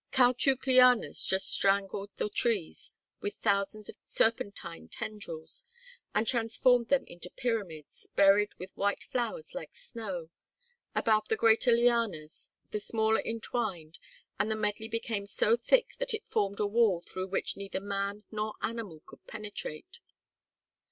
Caoutchouc lianas just strangled the trees with thousands of serpentine tendrils and transformed them into pyramids, buried with white flowers like snow. About the greater lianas the smaller entwined and the medley became so thick that it formed a wall through which neither man nor animal could penetrate.